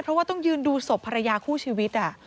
เพราะว่าต้องยืนดูศพภรรยาคู่ชีวิต